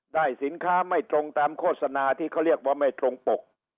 ได้สินค้าไม่ตรงตามโฆษณาที่เขาเรียกว่าไม่ตรงปก